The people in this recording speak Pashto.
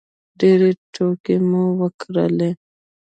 ډېرې ټوکې مو وکړلې.